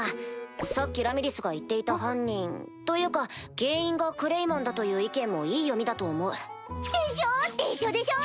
さっきラミリスが言っていた犯人というか原因がクレイマンだという意見もいい読みだと思う。でしょ？でしょでしょ！